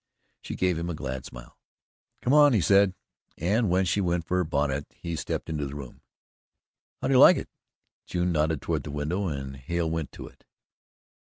She gave him a glad smile. "Come on," he said, and when she went for her bonnet, he stepped into the room. "How do you like it?" June nodded toward the window and Hale went to it.